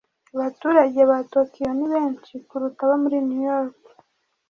Abaturage ba Tokiyo ni benshi kuruta abo muri New York